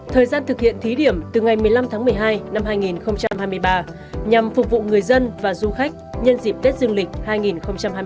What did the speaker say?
thời gian thực hiện thí điểm từ ngày một mươi năm tháng một mươi hai năm hai nghìn hai mươi ba nhằm phục vụ người dân và du khách nhân dịp tết dương lịch hai nghìn hai mươi bốn